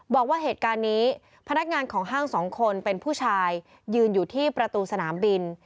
บอกว่าเหตุการณ์นี้พนักงานของห้างสองคนเป็นผู้ชายยืนอยู่ที่ประตูสนามบิน